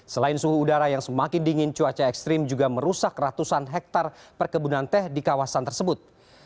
selain suhu udara yang semakin dingin cuaca ekstrim juga merusak ratusan hektare perkebunan teh di kawasan tersebut